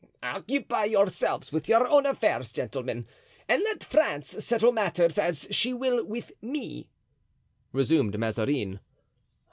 "Occupy yourselves with your own affairs, gentlemen, and let France settle matters as she will with me," resumed Mazarin.